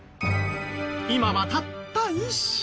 今はたった１社。